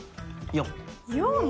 ４。